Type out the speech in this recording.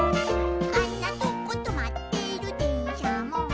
「あんなとことまってるでんしゃも」